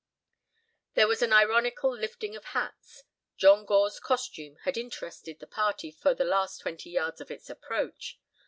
There was an ironical lifting of hats. John Gore's costume had interested the party for the last twenty yards of its approach.